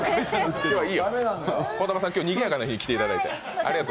兒玉さん、にぎやかな日に来ていただいて。